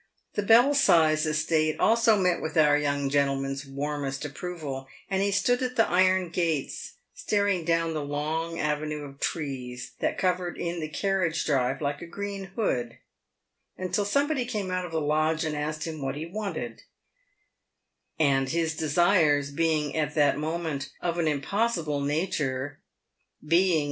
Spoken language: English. The Belsize estate also met with our young gentleman's warmest approval, and he stood at the iron gates staring down the long avenue of trees that covered in the carriage drive like a green hood, until somebody came out of the lodge to ask him " what he wanted," and his desires being at that moment of an impossible nature (being, k2 132 PAVED WITH GOLD.